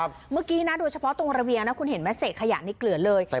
เมื่อกี้นะโดยเฉพาะตรงระเบียงนะคุณเห็นไหมเศษขยะในเกลือเลย